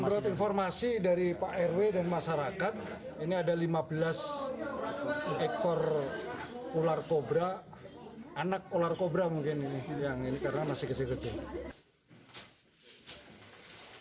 menurut informasi dari pak rw dan masyarakat ini ada lima belas ekor ular kobra anak ular kobra mungkin ini yang ini karena masih kecil kecil